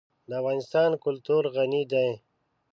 د افغانستان کلتور غني دی.